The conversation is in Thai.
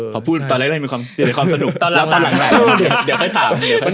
พอพูดตอนแรกมีแต่ความสนุกแล้วตามหลังไหน